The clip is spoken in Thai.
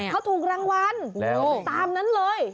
เขาถูกรางวัลตามนั้นเลย